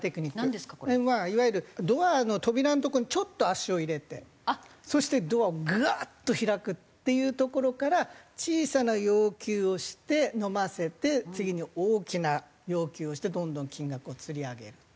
いわゆるドアの扉のところにちょっと足を入れてそしてドアをガッと開くっていうところから小さな要求をしてのませて次に大きな要求をしてどんどん金額をつり上げると。